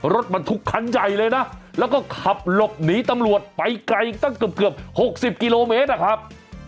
รถบรรทุกคันใหญ่เลยนะแล้วก็ขับหลบหนีตำรวจไปไกลตั้งเกือบ๖๐กิโลเมตรนะครับ